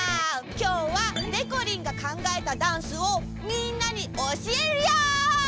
きょうはでこりんがかんがえたダンスをみんなにおしえるよ。